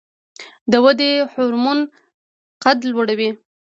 د ودې هورمون قد لوړوي